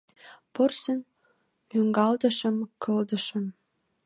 Порсын лӱҥгалтышым кылдышым.